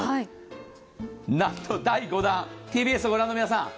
なんと第５弾、ＴＢＳを御覧の皆さん